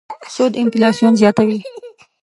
سود انفلاسیون زیاتوي.